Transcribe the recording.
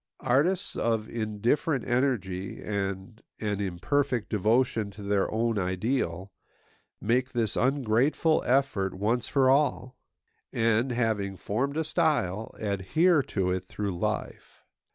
Artists of indifferent energy and an imperfect devotion to their own ideal make this ungrateful effort once for all; and, having formed a style, adhere to it through life.